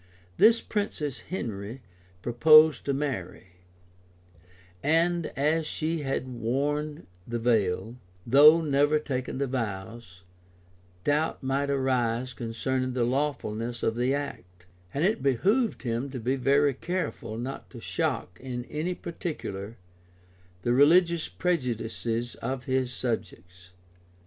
This princess Henry purposed to marry; but as she had worn the veil, though never taken the vows, doubts might arise concerning the lawfulness of the act; and it behoved him to be very careful not to shock, in any particular, the religious prejudges of his subjects.